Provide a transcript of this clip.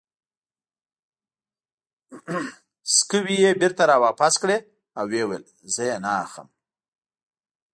سکوې یې بېرته را واپس کړې او ویې ویل: زه یې نه اخلم.